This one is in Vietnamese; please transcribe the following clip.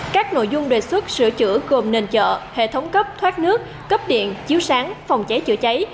các nội dung đề xuất sửa chữa gồm nền chợ hệ thống cấp thoát nước cấp điện chiếu sáng phòng cháy chữa cháy